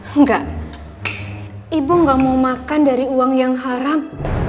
enggak ibu gak mau makan dari uang yang haram